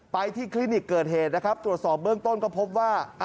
ไปที่คลินิกเกิดเหตุนะครับตรวจสอบเบื้องต้นก็พบว่า